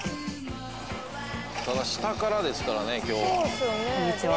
「ただ下からですからね今日は」こんにちは。